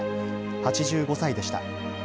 ８５歳でした。